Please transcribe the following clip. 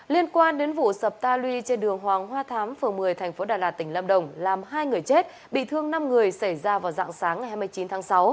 liên quan đến vụ sập ta lui trên đường hoàng hoa thám phường một mươi tp đà lạt tỉnh lâm đồng làm hai người chết bị thương năm người xảy ra vào dạng sáng ngày hai mươi chín tháng sáu